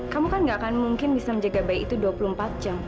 kamu kan gak akan mungkin bisa menjaga bayi itu dua puluh empat jam